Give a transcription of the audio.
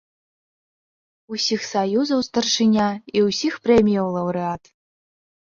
Усіх саюзаў старшыня і ўсіх прэміяў лаўрэат.